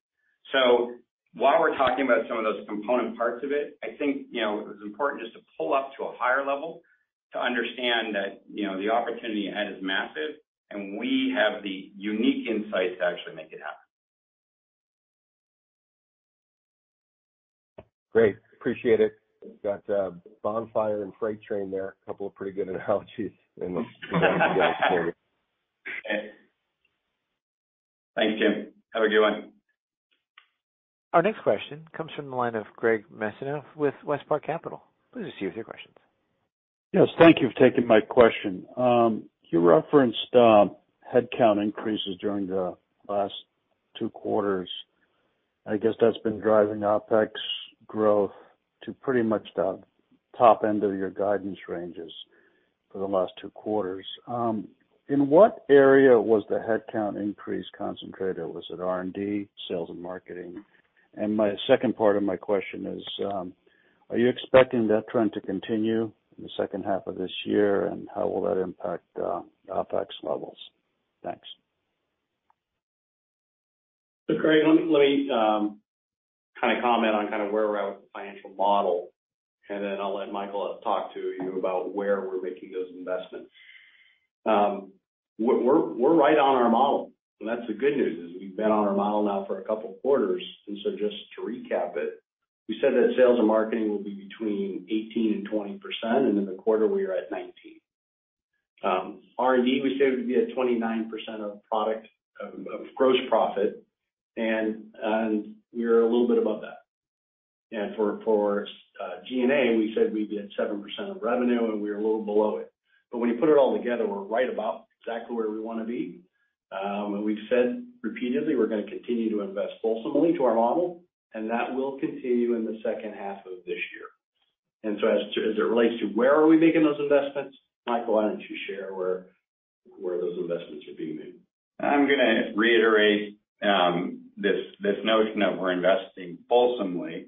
While we're talking about some of those component parts of it, I think, you know, it's important just to pull up to a higher level to understand that, you know, the opportunity ahead is massive, and we have the unique insights to actually make it happen. Great. Appreciate it. Got bonfire and freight train there. A couple of pretty good analogies. Thank you, Tim. Have a good one. Our next question comes from the line of Greg Mesniaeff with WestPark Capital. Please proceed with your questions. Yes, thank you for taking my question. You referenced headcount increases during the last two quarters. I guess that's been driving OpEx growth to pretty much the top end of your guidance ranges for the last two quarters. In what area was the headcount increase concentrated? Was it R&D, sales and marketing? My second part of my question is, are you expecting that trend to continue in the second half of this year, and how will that impact OpEx levels? Thanks. Greg, let me kind of comment on kind of where we're at with the financial model, then I'll let Michael talk to you about where we're making those investments. We're right on our model, and that's the good news, is we've been on our model now for a couple of quarters. Just to recap it, we said that sales and marketing will be between 18% and 20%, and in the quarter, we are at 19%. R&D, we said, would be at 29% of product, of gross profit, and we're a little bit above that. For G&A, we said we'd be at 7% of revenue, and we're a little below it. When you put it all together, we're right about exactly where we wanna be. We've said repeatedly, we're gonna continue to invest fulsomely to our model, and that will continue in the second half of this year. As it relates to where are we making those investments, Michael, why don't you share where those investments are being made? I'm gonna reiterate, this notion that we're investing fulsomely,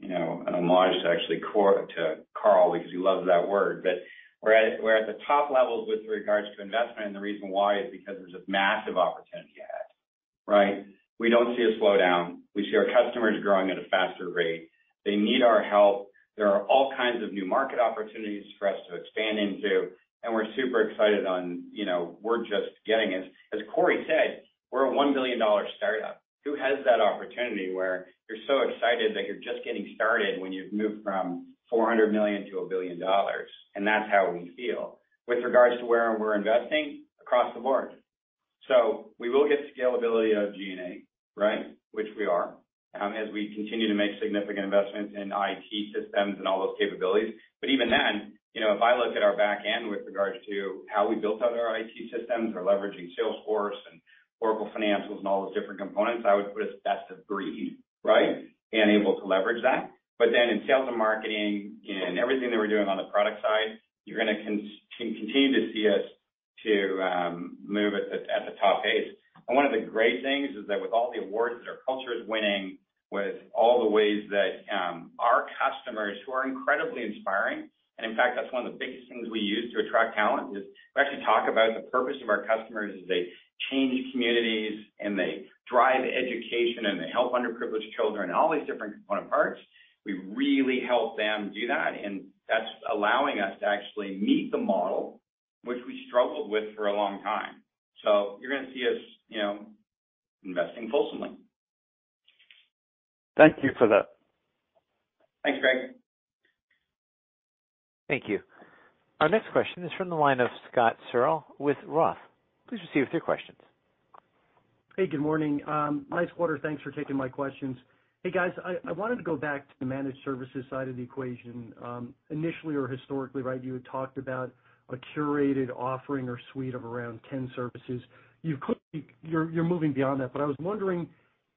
you know, an homage to actually Carl, because he loves that word. We're at the top levels with regards to investment, and the reason why is because there's a massive opportunity ahead, right? We don't see a slowdown. We see our customers growing at a faster rate. They need our help. There are all kinds of new market opportunities for us to expand into, and we're super excited on, you know, we're just getting it. As Cory said, we're a $1 billion startup. Who has that opportunity, where you're so excited that you're just getting started when you've moved from $400 million-$1 billion? That's how we feel. With regards to where we're investing, across the board. We will get scalability of G&A, right? Which we are, as we continue to make significant investments in IT systems and all those capabilities. Even then, you know, if I look at our back end with regards to how we built out our IT systems, our leveraging Salesforce and Oracle Financials and all those different components, I would put us best of breed, right? Able to leverage that. Then in sales and marketing, in everything that we're doing on the product side, you're gonna continue to see us to move at the top pace. One of the great things is that with all the awards that our culture is winning, with all the ways that our customers, who are incredibly inspiring, and in fact, that's one of the biggest things we use to attract talent, is we actually talk about the purpose of our customers, is they change communities, and they drive education, and they help underprivileged children, all these different component parts. We really help them do that, and that's allowing us to actually meet the model, which we struggled with for a long time. You're gonna see us, you know, investing fulsomely. Thank you for that. Thanks, Greg. Thank you. Our next question is from the line of Scott Searle with Roth. Please proceed with your questions. Hey, good morning. Nice quarter. Thanks for taking my questions. Hey, guys, I wanted to go back to the managed services side of the equation. Initially or historically, right, you had talked about a curated offering or suite of around 10 services. You're moving beyond that, but I was wondering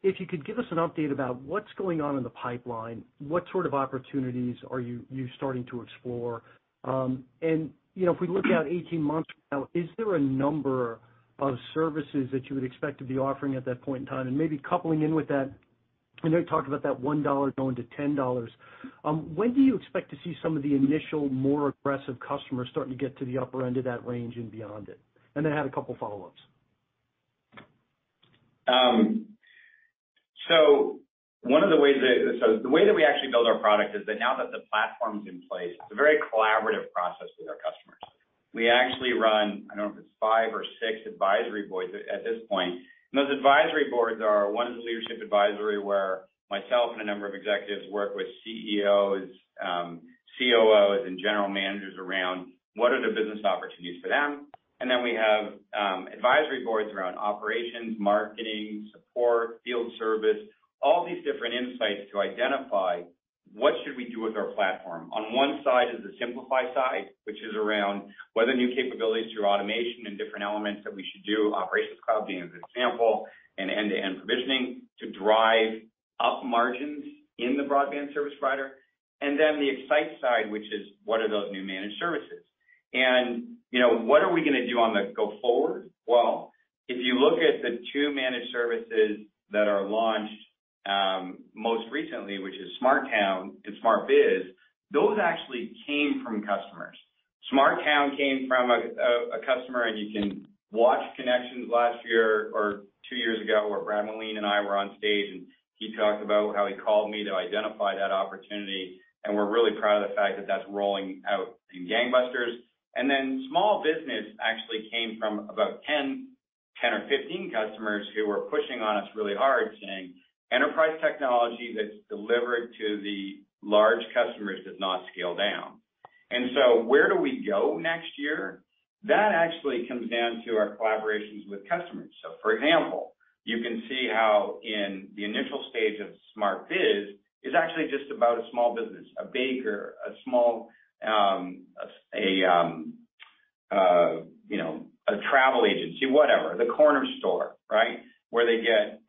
if you could give us an update about what's going on in the pipeline? What sort of opportunities are you starting to explore? You know, if we look out 18 months from now, is there a number of services that you would expect to be offering at that point in time? And maybe coupling in with that, I know you talked about that $1 going to $10. When do you expect to see some of the initial, more aggressive customers starting to get to the upper end of that range and beyond it? I have a couple follow-ups. The way that we actually build our product is that now that the platform's in place, it's a very collaborative process with our customers. We actually run, I don't know if it's five or six advisory boards at this point. Those advisory boards are, one is leadership advisory, where myself and a number of executives work with CEOs, COOs, and general managers around what are the business opportunities for them. We have advisory boards around operations, marketing, support, field service, all these different insights to identify what should we do with our platform. On one side is the simplify side, which is around whether new capabilities through automation and different elements that we should do, Operations Cloud being a good example, and end-to-end provisioning to drive up margins in the broadband service provider. The excite side, which is, what are those new managed services? you know, what are we gonna do on the go forward? If you look at the two managed services that are launched, most recently, which is SmartTown and SmartBiz, those actually came from customers. SmartTown came from a customer, and you can watch ConneXions last year or two years ago, where Brad Moline and I were on stage, and he talked about how he called me to identify that opportunity. We're really proud of the fact that that's rolling out in gangbusters. Small business actually came from about 10 or 15 customers who were pushing on us really hard, saying enterprise technology that's delivered to the large customers does not scale down. Where do we go next year? That actually comes down to our collaborations with customers. For example, you can see how in the initial stage of SmartBiz, it's actually just about a small business, a baker, a small, you know, a travel agency, whatever, the corner store, right? Where they get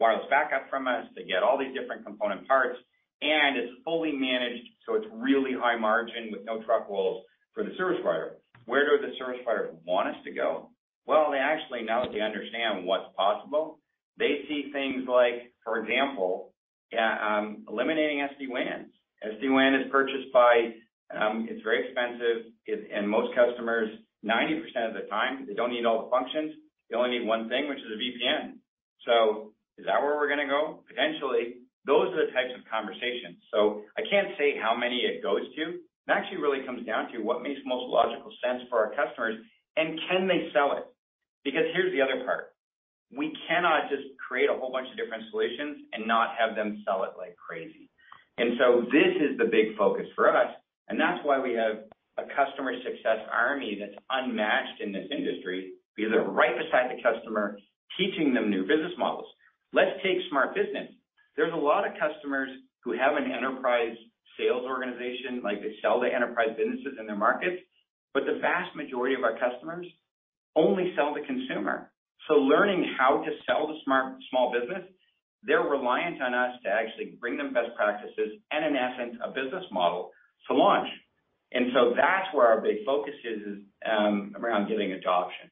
wireless backup from us, they get all these different component parts, and it's fully managed, so it's really high margin with no truck rolls for the service provider. Where do the service providers want us to go? Well, they actually, now that they understand what's possible, they see things like, for example, eliminating SD-WANs. SD-WAN is purchased by, it's very expensive, and most customers, 90% of the time, they don't need all the functions. They only need 1 thing, which is a VPN. Is that where we're gonna go? Potentially. I can't say how many it goes to, and actually really comes down to what makes the most logical sense for our customers, and can they sell it? Here's the other part, we cannot just create a whole bunch of different solutions and not have them sell it like crazy. This is the big focus for us, and that's why we have a customer success army that's unmatched in this industry. We are right beside the customer, teaching them new business models. Let's take SmartBiz. There's a lot of customers who have an enterprise sales organization, like, they sell to enterprise businesses in their markets, but the vast majority of our customers only sell to consumer. learning how to sell SmartBiz, they're reliant on us to actually bring them best practices and in essence, a business model to launch. That's where our big focus is around getting adoption.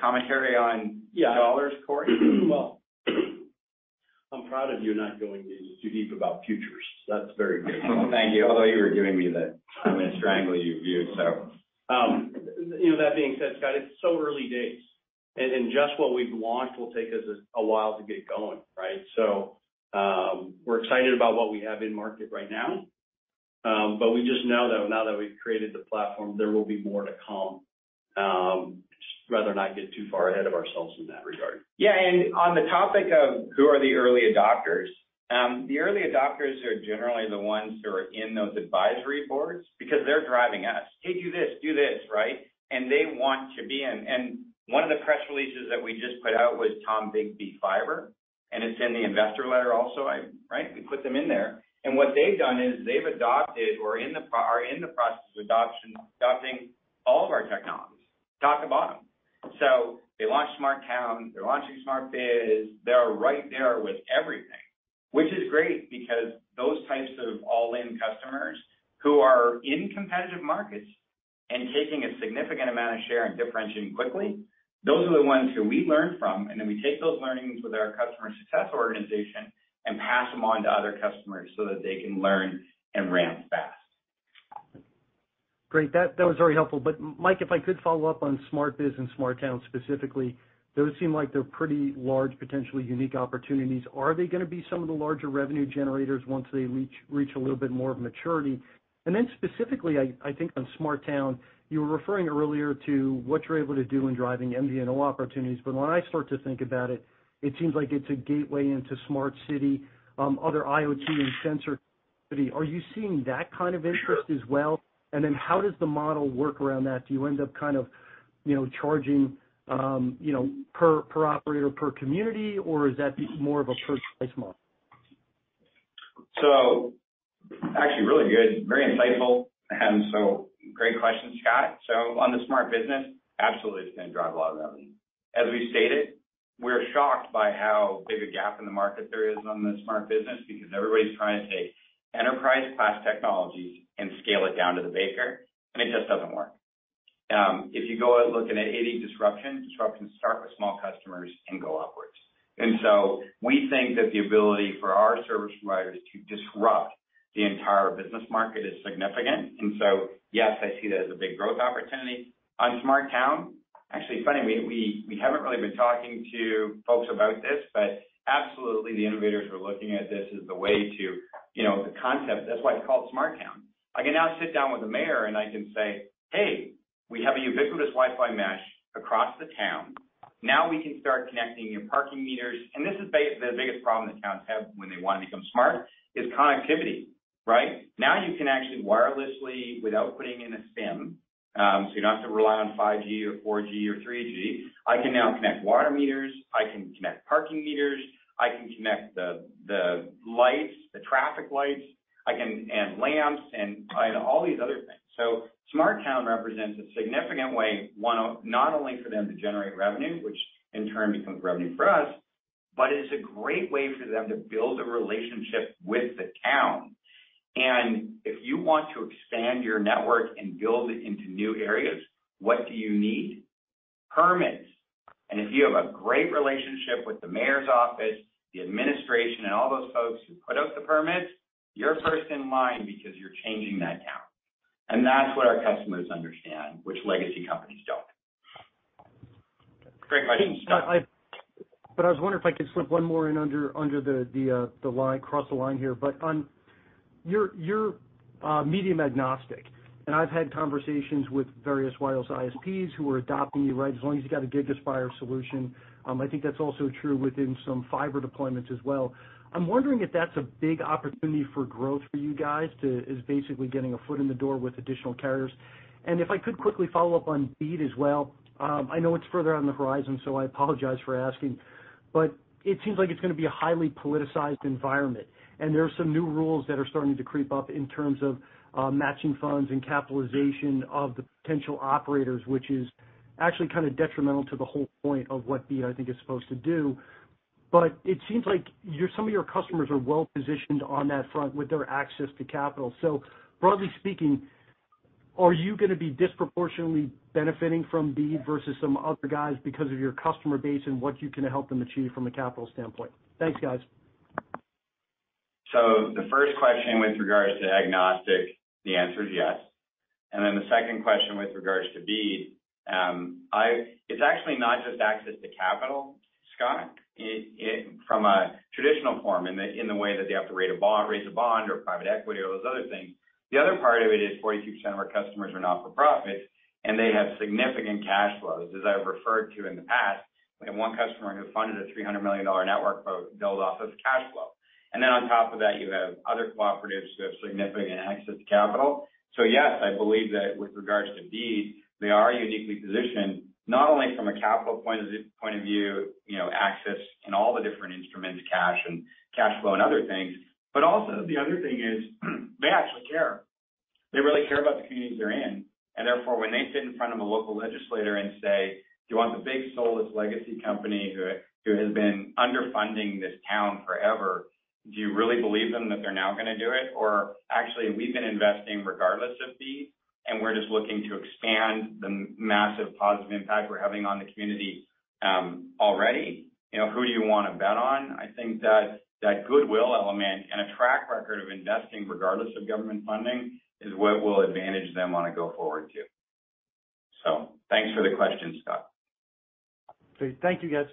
commentary on- Yeah. dollars, Cory? Well, I'm proud of you not going into too deep about futures. That's very good. Thank you. Although you were giving me the, "I'm gonna strangle you," view, so. you know, that being said, Scott, it's so early days, and just what we've launched will take us a while to get going, right? We're excited about what we have in market right now. We just know that now that we've created the platform, there will be more to come. Just rather not get too far ahead of ourselves in that regard. On the topic of who are the early adopters, the early adopters are generally the ones who are in those advisory boards because they're driving us. "Hey, do this, do this," right. They want to be in. One of the press releases that we just put out was Tombigbee Fiber, and it's in the investor letter also. Right? We put them in there. What they've done is they've adopted or are in the process of adopting all of our technologies, top to bottom. They launched SmartTown, they're launching SmartBiz. They're right there with everything, which is great because those types of all-in customers who are in competitive markets and taking a significant amount of share and differentiating quickly, those are the ones who we learn from, and then we take those learnings with our customer success organization and pass them on to other customers so that they can learn and ramp fast. Great. That was very helpful. Mike, if I could follow up on SmartBiz and SmartTown specifically, those seem like they're pretty large, potentially unique opportunities. Are they gonna be some of the larger revenue generators once they reach a little bit more of maturity? Specifically, I think on SmartTown, you were referring earlier to what you're able to do in driving MVNO opportunities, but when I start to think about it seems like it's a gateway into smart city, other IoT and sensor city. Are you seeing that kind of interest as well? How does the model work around that? Do you end up kind of, you know, charging, you know, per operator, per community, or is that more of a per device model? Actually, really good. Very insightful, great question, Scott. On the SmartBiz, absolutely, it's gonna drive a lot of revenue. As we stated, we're shocked by how big a gap in the market there is on the SmartBiz, because everybody's trying to take enterprise-class technologies and scale it down to the baker, and it just doesn't work. If you go look at any disruption, disruptions start with small customers and go upwards. We think that the ability for our service providers to disrupt the entire business market is significant. Yes, I see that as a big growth opportunity. On SmartTown, actually funny, we haven't really been talking to folks about this, but absolutely, the innovators are looking at this as the way to, you know, the concept. That's why it's called SmartTown. I can now sit down with the mayor, I can say, "Hey, we have a ubiquitous Wi-Fi mesh across the town. Now, we can start connecting your parking meters." This is the biggest problem that towns have when they want to become smart, is connectivity, right? You can actually wirelessly, without putting in a SIM, so you don't have to rely on 5G or 4G or 3G. I can now connect water meters. I can connect parking meters. I can connect the lights, the traffic lights. Lamps and all these other things. SmartTown represents a significant way, not only for them to generate revenue, which in turn becomes revenue for us, but it's a great way for them to build a relationship with the town. If you want to expand your network and build it into new areas, what do you need? Permits. If you have a great relationship with the mayor's office, the administration, and all those folks who put out the permits, you're first in line because you're changing that town, and that's what our customers understand, which legacy companies don't. Great question, Scott. I was wondering if I could slip one more in under the line, cross the line here. You're medium agnostic, and I've had conversations with various wireless ISPs who are adopting you, right? As long as you've got a GigaSpire solution, I think that's also true within some fiber deployments as well. I'm wondering if that's a big opportunity for growth for you guys, is basically getting a foot in the door with additional carriers. If I could quickly follow up on BEAD as well. I know it's further out on the horizon, so I apologize for asking, but it seems like it's gonna be a highly politicized environment, and there are some new rules that are starting to creep up in terms of matching funds and capitalization of the potential operators, which is actually kind of detrimental to the whole point of what BEAD, I think, is supposed to do. It seems like your, some of your customers are well-positioned on that front with their access to capital. Broadly speaking, are you gonna be disproportionately benefiting from BEAD versus some other guys because of your customer base and what you can help them achieve from a capital standpoint? Thanks, guys. The first question with regards to agnostic, the answer is yes. The second question with regards to BEAD, It's actually not just access to capital, Scott, it, from a traditional form, in the, in the way that they have to raise a bond or private equity or those other things. The other part of it is 42% of our customers are not-for-profit, and they have significant cash flows, as I've referred to in the past. We have one customer who funded a $300 million network build off of cash flow. On top of that, you have other cooperatives who have significant access to capital. Yes, I believe that with regards to BEAD, they are uniquely positioned, not only from a capital point of view, you know, access and all the different instruments, cash and cash flow and other things, but also the other thing is, they actually care. They really care about the communities they're in, and therefore, when they sit in front of a local legislator and say, "Do you want the big soulless legacy company who has been underfunding this town forever, do you really believe them that they're now gonna do it? Actually, we've been investing regardless of BEAD, and we're just looking to expand the massive positive impact we're having on the community, already. You know, who do you wanna bet on?" I think that goodwill element and a track record of investing, regardless of government funding, is what will advantage them on a go forward, too. Thanks for the question, Scott. Great. Thank you, guys.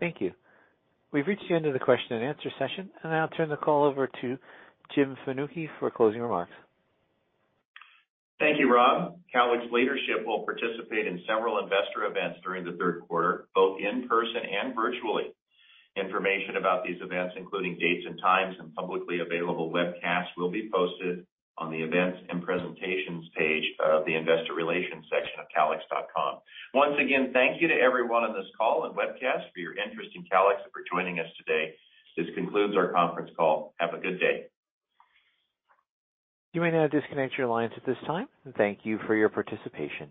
Thank you. We've reached the end of the question and answer session, and I'll turn the call over to Jim Fanucchi for closing remarks. Thank you, Rob. Calix leadership will participate in several investor events during the third quarter, both in person and virtually. Information about these events, including dates and times and publicly available webcasts, will be posted on the Events and Presentations page of the Investor Relations section of calix.com. Once again, thank you to everyone on this call and webcast for your interest in Calix and for joining us today. This concludes our conference call. Have a good day. You may now disconnect your lines at this time, and thank you for your participation.